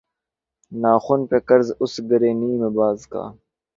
ناخن پہ قرض اس گرہ نیم باز کا